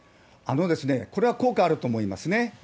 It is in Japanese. これは効果あると思いますね。